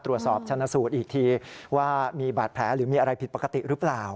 ชนะสูตรอีกทีว่ามีบาดแผลหรือมีอะไรผิดปกติหรือเปล่า